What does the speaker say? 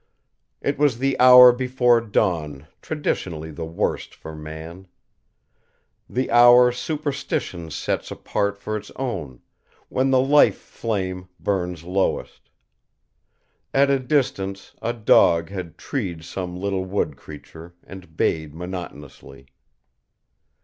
It was the hour before dawn, traditionally the worst for man. The hour superstition sets apart for its own, when the life flame burns lowest. At a distance a dog had treed some little wood creature, and bayed monotonously.